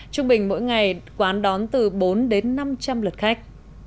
trung bình mỗi ngày quán đón từ bốn đến năm trăm linh lượt khách